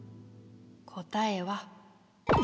答えは５！